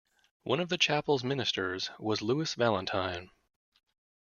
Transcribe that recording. One of the chapel's ministers was Lewis Valentine.